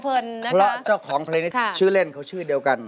เพราะเจ้าของเพลงนี้ชื่อเล่นเขาชื่อเดียวกัน